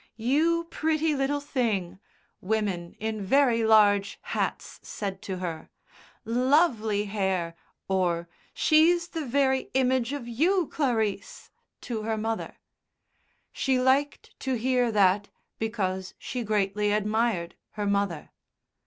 "You pretty little thing," women in very large hats said to her. "Lovely hair," or "She's the very image of you, Clarice," to her mother. She liked to hear that because she greatly admired her mother.